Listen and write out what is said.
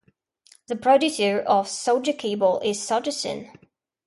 The producer of Sogecable is Sogecine.